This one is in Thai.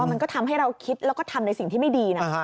มันก็ทำให้เราคิดแล้วก็ทำในสิ่งที่ไม่ดีนะ